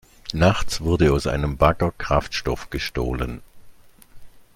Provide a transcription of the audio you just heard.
Nachts wurde aus einem Bagger Kraftstoff gestohlen.